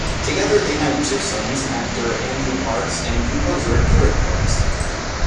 Together they had two sons, actor Andrew Parks and composer Garrett Parks.